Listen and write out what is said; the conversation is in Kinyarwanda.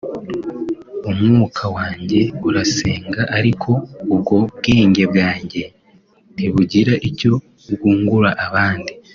umwuka wanjye urasenga ariko ubwo bwenge bwanjye ntibugira icyo bwungura abandi